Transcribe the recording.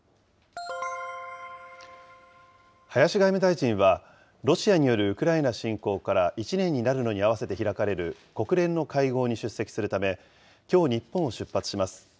林外務大臣は、ロシアによるウクライナ侵攻から１年になるのに合わせて開かれる国連の会合に出席するため、きょう日本を出発します。